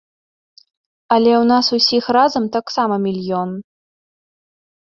Але ў нас усіх разам таксама мільён.